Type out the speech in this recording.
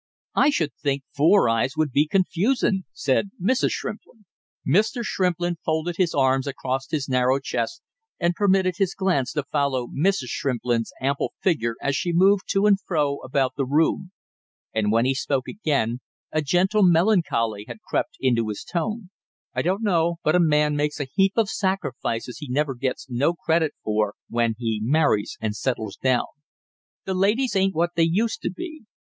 "I should think four eyes would be confusin'," said Mrs. Shrimplin. Mr. Shrimplin folded his arms across his narrow chest and permitted his glance to follow Mrs. Shrimplin's ample figure as she moved to and fro about the room; and when he spoke again a gentle melancholy had crept into his tone. "I dunno but a man makes a heap of sacrifices he never gets no credit for when he marries and settles down. The ladies ain't what they used to be.